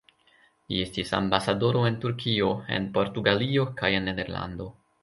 Li estis ambasadoro en Turkio, en Portugalio kaj en Nederlando.